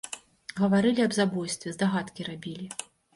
Гаварылі аб забойстве, здагадкі рабілі.